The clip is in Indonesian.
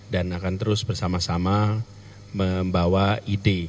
dan akan terus bersama sama membawa ide